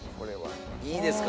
いいですか？